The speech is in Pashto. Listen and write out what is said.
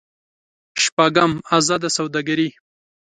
شپږم: ازاده سوداګري.